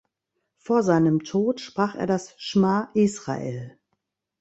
Vor seinem Tod sprach er das Schma Israel.